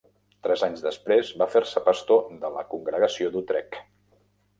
Tres anys després va fer-se pastor de la congregació d'Utrecht.